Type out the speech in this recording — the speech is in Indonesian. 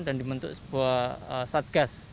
dan dibentuk sebuah satgas